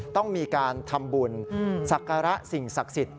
ต้องมีการทำบุญสักการะสิ่งศักดิ์สิทธิ